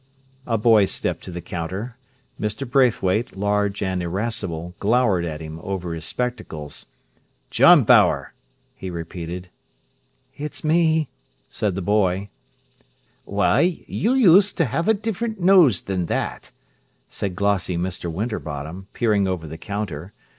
A boy stepped to the counter. Mr. Braithwaite, large and irascible, glowered at him over his spectacles. "John Bower!" he repeated. "It's me," said the boy. "Why, you used to 'ave a different nose than that," said glossy Mr. Winterbottom, peering over the counter.